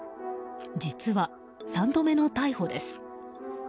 実は、３度目の逮捕です。